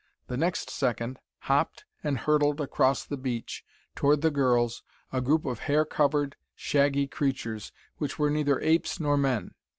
The next second, hopped and hurtled across the beach toward the girls, a group of hair covered, shaggy creatures which were neither apes nor men.